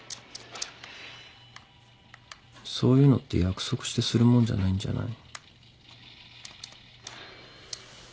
そういうのって約束してするもんじゃないんじゃない？